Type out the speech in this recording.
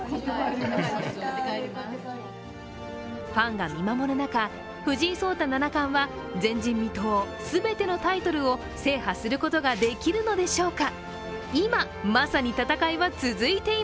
ファンが見守る中、藤井聡太七冠は前人未到、全てのタイトルを制覇することができるのでしょうか。